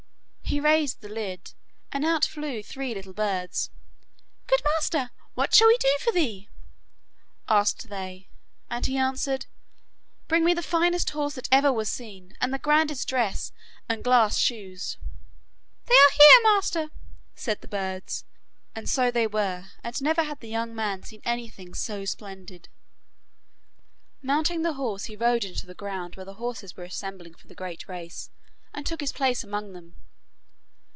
He raised the lid, and out flew the three little birds. 'Good master, what shall we do for thee?' asked they, and he answered, 'Bring me the finest horse that ever was seen, and the grandest dress, and glass shoes.' 'They are here, master,' said the birds, and so they were, and never had the young man seen anything so splendid. Mounting the horse he rode into the ground where the horses were assembling for the great race, and took his place among them.